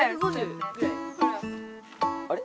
あれ？